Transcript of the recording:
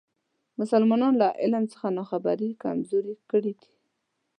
مسلمانان له علم څخه ناخبري کمزوري کړي دي.